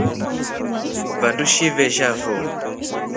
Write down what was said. Vandu shivesha foo.